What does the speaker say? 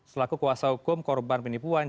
selaku kuasa hukum korban penipuan